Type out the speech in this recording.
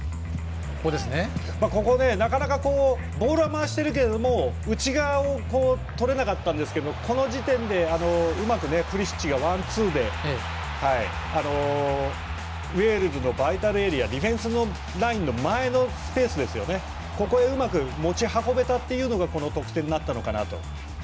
ここは、なかなかボールは回しているけども内側をとれなかったんですけどこの時点で、うまくプリシッチがワンツーでウェールズのバイタルエリアディフェンスラインの前のスペースにここでうまく持ち運べたっていうのがこの得点になったのかなと。